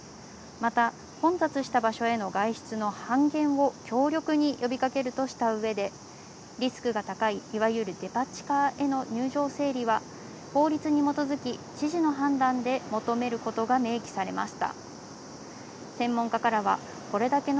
また混雑した場所への外出の半減を強力に呼びかけるとした上で、リスクが高い、いわゆるデパ地下への入場整理は法律に基づき、知事の判断で求めることが明記されました。